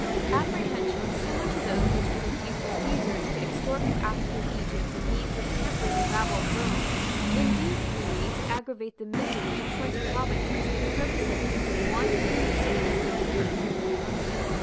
Apprehensions similar to those which had induced the Caesars to extort from Africa and Egypt the means of pampering the rabble of Rome induced Lewis to aggravate the misery of twenty provinces for the purpose of keeping one huge city in good humour.